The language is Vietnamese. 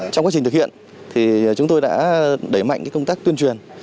trong quá trình thực hiện thì chúng tôi đã đẩy mạnh công tác tuyên truyền